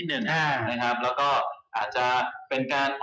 เช่นลงทุนรายละเอ็มเพล้ว